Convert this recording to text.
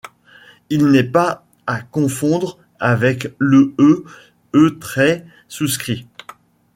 Il n’est pas à confondre avec le E̲, E trait souscrit.